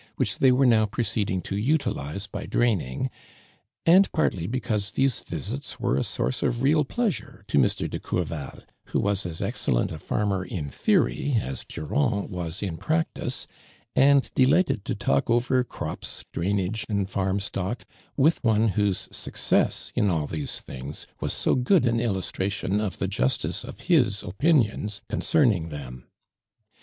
h they were now pro ceeding to utilize by draining, and partly because these visits wore ft source of real pleasure to Mr. de Courval, wlio was as ex cellent ft farmer in theory as Durnnd was in practice, and delighted to talk over crops, drainage^ and farm stock with one whose success m all those things was so good an illustration of the justice of his opinions concerning them.